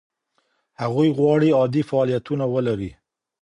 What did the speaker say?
هغوی غواړي عادي فعالیتونه ولري.